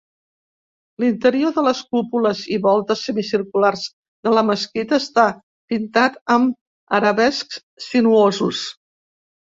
L'interior de les cúpules i voltes semicirculars de la mesquita està pintat amb arabescs sinuosos.